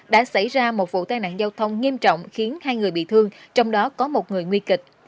đã xảy ra một vụ tai nạn giao thông nghiêm trọng khiến hai người bị thương trong đó có một người nguy kịch